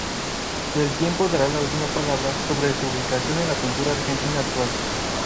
El tiempo dará la última palabra sobre su ubicación en la pintura argentina actual.